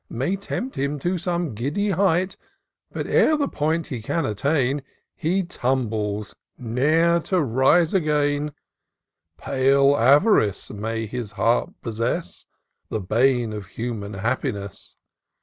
May tempt him to some giddy height ; But, ere the point he can attain. He tumbles, ne'er to rise again: Pale Av'rice may his heart possess, The bane of human happiness.